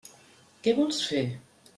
Què vols fer?